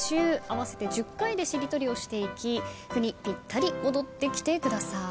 合わせて１０回でしりとりをしていき「く」にぴったり戻ってきてください。